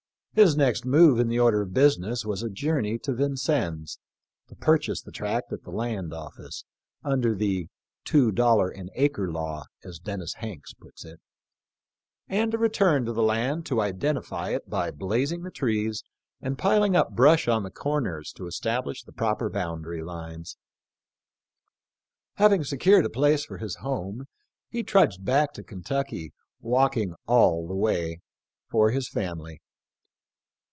His next move in the order of business was a journey to Vincennes to purchase the tract at the Land Office — under the " two dollar an acre law," as Dennis Hanks puts it — and a return to the land to identify it by blazing the trees and piling up brush on the corners to establish the proper boundary lines. Having se cured a place for his home he trudged back to Ken tucky — walking all the way — for his family.